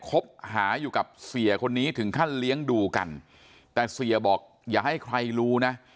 คบหาอยู่กับเสียคนนี้ถึงขั้นเลี้ยงดูกันแต่เสียบอกอย่าให้ใครรู้นะ